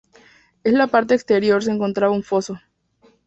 En la parte exterior se encontraba un foso.